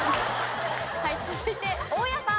続いて大家さん。